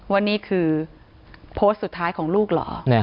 ว่านี่คือโพสต์สุดท้ายของลูกเหรอ